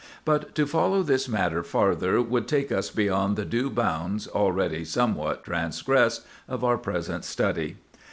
But to follow this matter farther would take us beyond the due bounds, already somewhat transgressed, of our present study.